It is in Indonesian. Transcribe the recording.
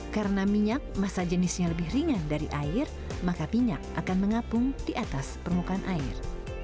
karena minyak masa jenisnya lebih ringan dari air maka minyak akan mengapung di atas permukaan air